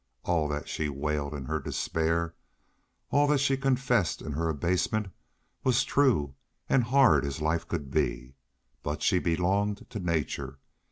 All that she wailed in her despair, all that she confessed in her abasement, was true, and hard as life could be but she belonged to nature.